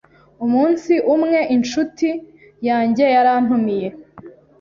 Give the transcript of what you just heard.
Umunsi umwe, incuti yanjye yarantumiye